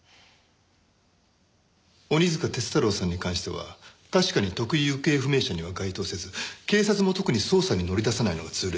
鬼束鐵太郎さんに関しては確かに特異行方不明者には該当せず警察も特に捜査に乗り出さないのが通例です。